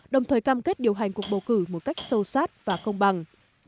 đồng thời cam kết điều hành cuộc bầu cử một cách sâu sát và công bằng